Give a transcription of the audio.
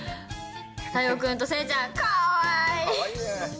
太陽くんとせいちゃん、かわいい。